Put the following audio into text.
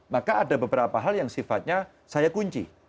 maka ada beberapa hal yang sifatnya saya kunci